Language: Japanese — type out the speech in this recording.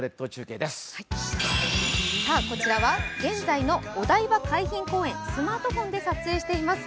こちらは現在のお台場海浜公園、スマートフォンで撮影しています。